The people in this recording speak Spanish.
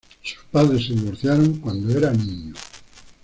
Sus padres se divorciaron cuando era niño.